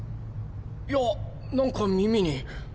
いやなんか耳に。